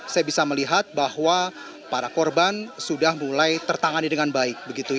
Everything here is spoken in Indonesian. saya bisa melihat bahwa para korban sudah mulai tertangani dengan baik